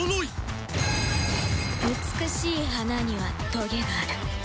美しい花には刺がある。